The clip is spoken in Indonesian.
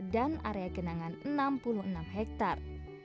dan area genangan enam puluh enam hektar